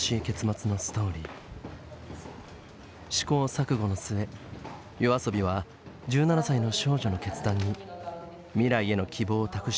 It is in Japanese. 試行錯誤の末ＹＯＡＳＯＢＩは１７歳の少女の決断に未来への希望を託した歌を作りました。